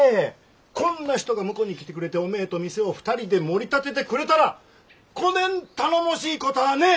こんな人が婿に来てくれておめえと店を２人でもり立ててくれたらこねん頼もしいこたあねえ！